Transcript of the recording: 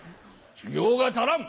修行が足らん！